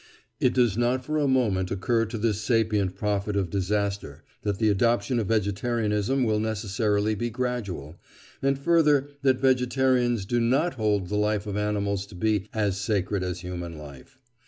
It does not for a moment occur to this sapient prophet of disaster that the adoption of vegetarianism will necessarily be gradual, and further that vegetarians do not hold the life of animals to be "as sacred as human life."